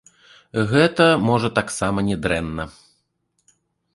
Гэта, можа, таксама не дрэнна.